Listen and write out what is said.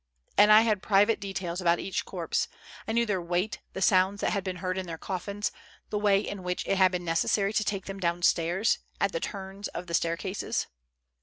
And I had private de tails about each corpse ; I knew their weight, the sounds that had been heard in their coffins, the way in which it had been necessary to take them down stairs, at the turns of the staircases.